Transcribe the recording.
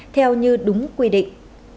theo như đúng quy định